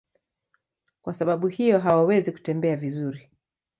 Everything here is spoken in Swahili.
Kwa sababu hiyo hawawezi kutembea vizuri.